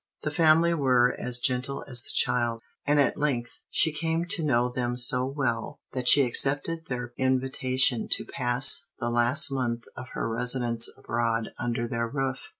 The family were as gentle as the child, and at length she came to know them so well that she accepted their invitation to pass the last month of her residence abroad under their roof.